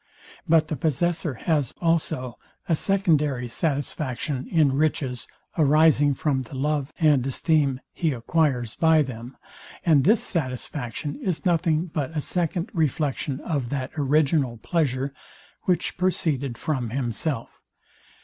But the possessor has also a secondary satisfaction in riches arising from the love and esteem he acquires by them, and this satisfaction is nothing but a second reflexion of that original pleasure, which proceeded from himself.